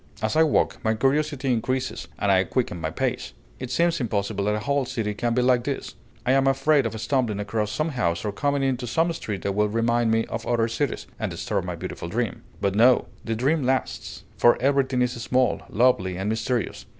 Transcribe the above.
As I walk, my curiosity increases and I quicken my pace. It seems impossible that a whole city can be like this; I am afraid of stumbling across some house or coming into some street that will remind me of other cities, and disturb my beautiful dream. But no, the dream lasts; for everything is small, lovely, and mysterious.